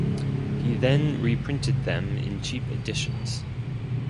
He then reprinted them in cheap editions.